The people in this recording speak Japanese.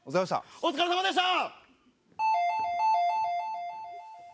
お疲れさまでした！